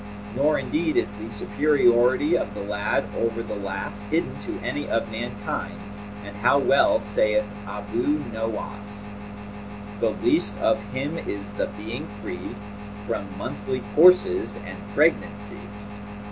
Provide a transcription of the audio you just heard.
Nor indeed is the superiority of the lad over the lass hidden to any of mankind, and how well saith Abu Nowas,[FN#235] 'The least of him is the being free * From monthly courses and pregnancy.'